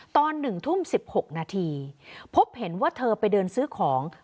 ตอน๑ทุ่ม๑๖นาทีพบเห็นว่าเธอไปเดินซื้อของ